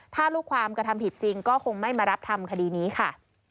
ถ้าลูกความกระทำผิดจริงก็คงไม่มารับทำคดีนี้ค่ะ